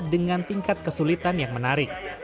dengan tingkat kesulitan yang menarik